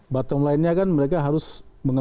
batang lainnya kan mereka harus berpikir